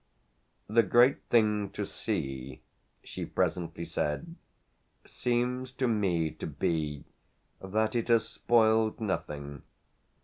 "The great thing to see," she presently said, "seems to me to be that it has spoiled nothing.